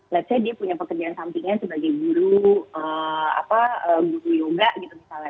let s say dia punya pekerjaan sampingnya sebagai guru yoga gitu misalnya